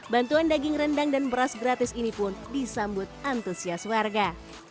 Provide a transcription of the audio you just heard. bantuan daging rendang dan beras gratis ini pun disambut antusias warga